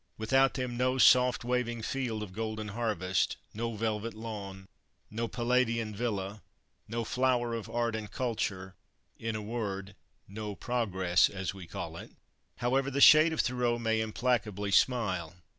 Without them, no soft waving field of golden harvest, no velvet lawn, no Palladian villa, no flower of art and culture in a word, no progress, as we call it however the shade of Thoreau may implacably smile.